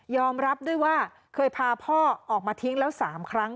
รับด้วยว่าเคยพาพ่อออกมาทิ้งแล้ว๓ครั้ง